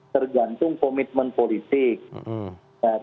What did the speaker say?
tergantung komitmen politik dari pimpinan negara yang bersangkutan